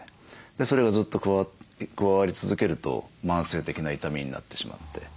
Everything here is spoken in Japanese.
それがずっと加わり続けると慢性的な痛みになってしまって。